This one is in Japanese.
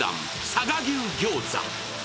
佐賀牛餃子。